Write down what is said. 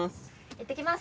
いってきます